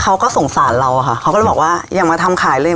เขาก็สงสารเราอะค่ะเขาก็เลยบอกว่าอย่ามาทำขายเลย